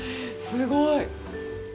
すごい。